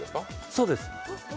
そうです。